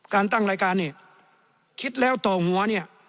การตั้งรายการเนี่ยคิดแล้วต่อหัวเนี่ย